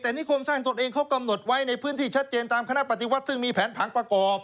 แต่นิคมสร้างตนเองเขากำหนดไว้ในพื้นที่ชัดเจนตามคณะปฏิวัติซึ่งมีแผนผังประกอบ